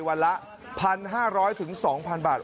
วันละ๑๕๐๐๒๐๐บาท